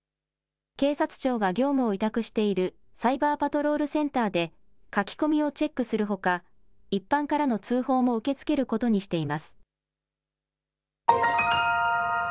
警察庁が業務を委託しているサイバーパトロールセンターで書き込みをチェックするほか、一般からの通報も受け付けることにしています。